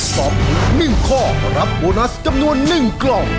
ตอบถูก๑ข้อรับโบนัสจำนวน๑กล่อง